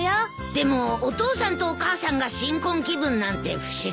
でもお父さんとお母さんが新婚気分なんて不自然過ぎるよ。